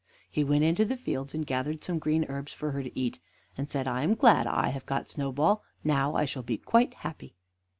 He went into the fields and gathered some green herbs for her to eat, and said: "I am glad I have got Snowball; now I shall be quite happy."